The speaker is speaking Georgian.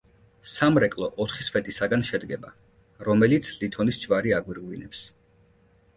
სამრეკლო ოთხი სვეტისაგან შედგება, რომელიც ლითონის ჯვარი აგვირგვინებს.